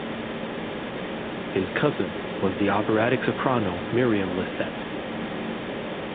His cousin was the operatic soprano Miriam Licette.